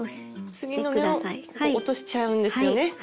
次の目を落としちゃうんですよね？